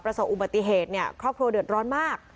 อุบัติเหตุเนี่ยครอบครัวเดือดร้อนมาก